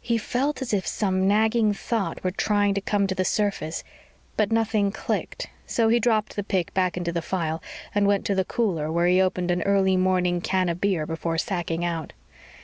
He felt as if some nagging thought were trying to come to the surface, but nothing clicked, so he dropped the pic back into the file and went to the cooler where he opened an early morning can of beer before sacking out.